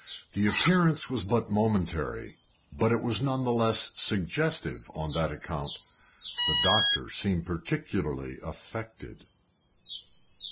The appearance was but momentary, but it was none the less suggestive on that account. The doctor seemed particularly affected.